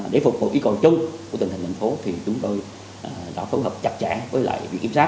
để phục vụ ý cầu chung của tình hình thành phố chúng tôi đã phù hợp chặt chẽ với việc kiểm sát